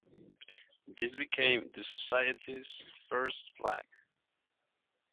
This became the society's first flag.